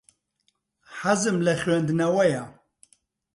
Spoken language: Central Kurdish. حەزم لە خوێندنەوەیە.